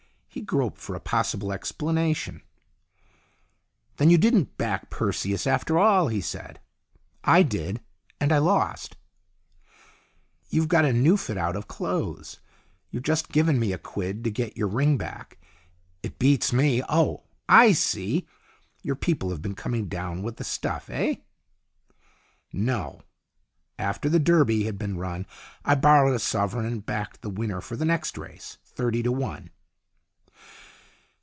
He groped for a possible explanation. " Then you didn't back Perseus after all ?" he said. " I did," said Seaton, "and I lost." "You've got a new fit out of clothes. You've just given me a quid to get your ring back. It beats me. Oh, I see. Your people have been coming down with the stuff, eh ?"" No. After the Derby had been run I borrowed a sovereign, and backed the winner for the next race. Thirty to one."